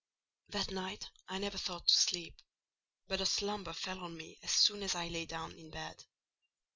That night I never thought to sleep; but a slumber fell on me as soon as I lay down in bed.